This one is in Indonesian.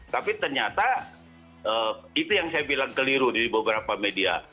tapi ternyata itu yang saya bilang keliru di beberapa media